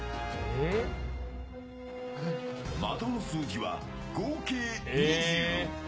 的の数字は合計２０。